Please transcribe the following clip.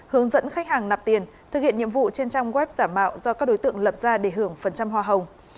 hướng dẫn khách hàng nạp tiền thực hiện nhiệm vụ trên trang web giả mạo do các đối tượng lập ra để hưởng phần trăm hoa hồng